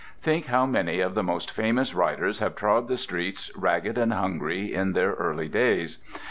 Think how many of the most famous writers have trod the streets ragged and hungry in their early days.